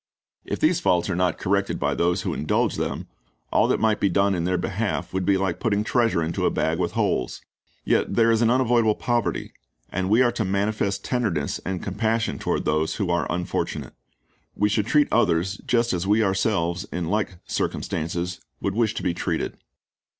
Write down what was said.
If these faults are not corrected by those who indulge them, all that might be done in their behalf would be like putting treasure into a bag with holes. Yet there is an unavoidable poverty, and we are to manifest tenderness and compassion toward those 1 Matt. 6:12 ^2 Thess. 3: 10 248 Christ's Object Lessons who arc unfortunate. We should treat others just as we ourselves, in like circumstances, would wish to be treated.